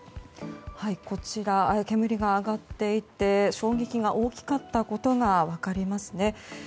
こちら、煙が上がっていて衝撃が大きかったことが分かります。